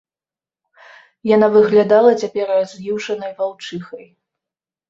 Яна выглядала цяпер раз'юшанай ваўчыхай.